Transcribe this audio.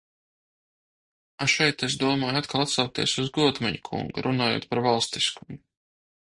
Šeit es domāju atkal atsaukties uz Godmaņa kungu, runājot par valstiskumu.